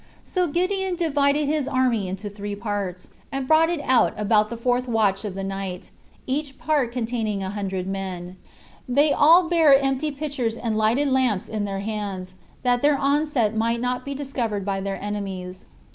So Gideon divided his army into three parts, and brought it out about the fourth watch of the night, each part containing a hundred men: they all bare empty pitchers and lighted lamps in their hands, that their onset might not be discovered by their enemies.